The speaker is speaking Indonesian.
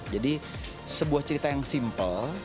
jadi sebuah cerita yang simpel